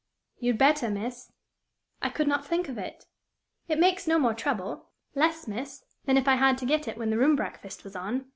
"You'd better, miss." "I could not think of it." "It makes no more trouble less, miss, than if I had to get it when the room breakfast was on.